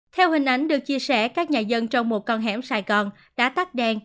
theo hình ảnh được chia sẻ các nhà dân trong một con hẻm sài gòn đã tắt đèn